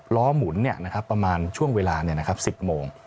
หมุนประมาณช่วงเวลา๑๐โมง